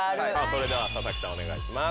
それでは佐々木さんお願いします。